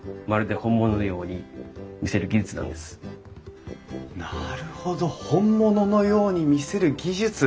これをなるほど本物のように見せる技術！